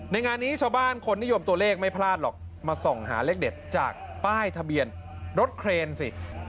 งานนี้ชาวบ้านคนนิยมตัวเลขไม่พลาดหรอกมาส่องหาเลขเด็ดจากป้ายทะเบียนรถเครนสิ